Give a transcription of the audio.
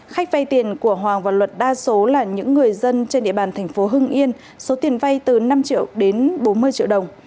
khách vay tiền của hoàng và luật đa số là những người dân trên địa bàn thành phố hưng yên số tiền vay từ năm triệu đến bốn mươi triệu đồng